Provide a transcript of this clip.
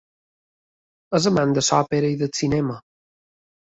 És amant de l'òpera i del cinema.